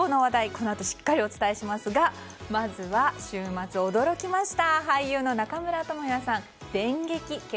このあとしっかりお伝えしますがまずは、週末驚きました。